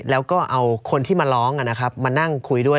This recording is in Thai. แล้วก็เอาคนที่มาร้องมานั่งคุยด้วย